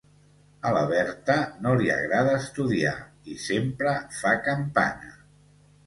A la Berta no li agrada estudiar i sempre fa campana: